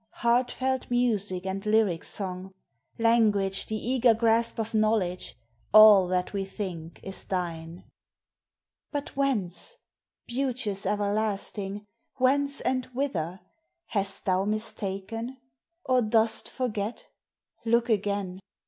Heart felt music and lyric song Language the eager grasp of knowledge All that we think is thine. But whence? Beauteous everlasting! Whence and whither? Hast thou mistaken? Or dost forget? Look again!